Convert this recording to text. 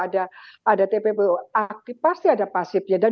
ada ada tppu aktif pasti ada pasifnya dan